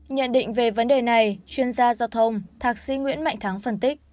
nhận định về vấn đề này chuyên gia giao thông thạc sĩ nguyễn mạnh thắng phân tích